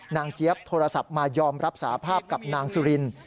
เจี๊ยบโทรศัพท์มายอมรับสาภาพกับนางสุริน